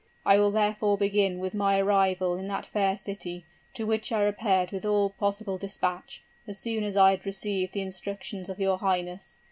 "I will therefore begin with my arrival in that fair city, to which I repaired with all possible dispatch, as soon as I had received the instructions of your highness.